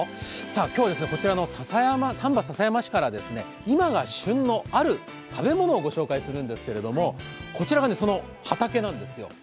今日はこちらの丹波篠山市から今が旬のある食べ物をご紹介するんですけれどもこちらがその畑なんですよ。